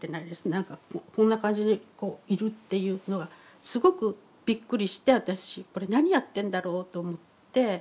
何かこんな感じでいるっていうのがすごくびっくりして私これ何やってんだろうと思って。